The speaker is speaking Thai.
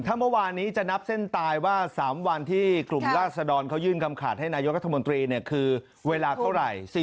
ถ้าเมื่อวานนี้จะนับเส้นตายว่า๓วันที่กลุ่มราศดรเขายื่นคำขาดให้นายกรัฐมนตรีคือเวลาเท่าไหร่